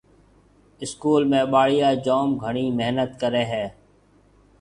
اسڪول ۾ ٻاݪيا جوم گھڻِي محنت ڪريَ هيَ۔